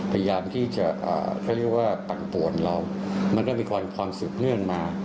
พยายามที่จะเขาเรียกว่าปั่นป่วนเรามันก็มีความสืบเนื่องมา